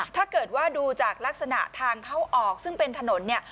ถ้าเกิดว่าดูจากลักษณะทางเข้าออกซึ่งเป็นถนนเนี่ย